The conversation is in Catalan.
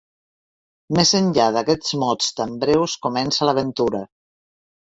Més enllà d'aquests mots tan breus comença l'aventura.